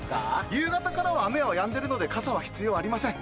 夕方からは雨はやんでいるので傘は必要ありません。